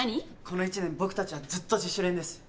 この１年僕たちはずっと自主練です。